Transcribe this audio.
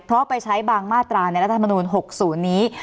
เพราะไปใช้บางมาตราในรัฐธรรมนูนหกศูนย์นี้